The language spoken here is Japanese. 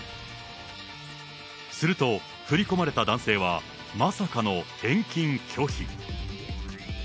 すると、振り込まれた男性は、まさかの返金拒否。